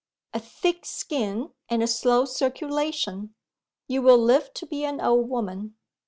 A thick skin and a slow circulation; you will live to be an old woman.